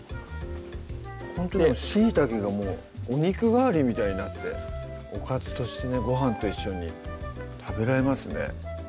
ほんとにしいたけがもうお肉代わりみたいになっておかずとしてねごはんと一緒に食べられますね